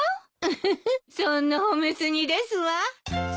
ウフフそんな褒め過ぎですわ。